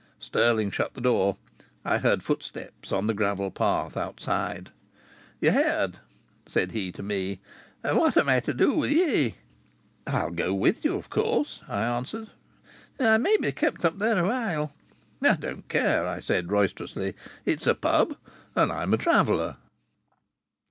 Stirling shut the door. I heard footsteps on the gravel path outside. "Ye heard?" said he to me. "And what am I to do with ye?" "I'll go with you, of course," I answered. "I may be kept up there a while." "I don't care," I said roisterously. "It's a pub and I'm a traveller."